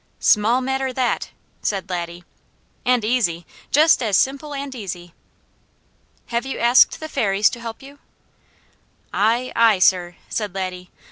"Small matter, that!" said Laddie. "And easy! Just as simple and easy!" "Have you asked the Fairies to help you?" "Aye, aye, sir," said Laddie.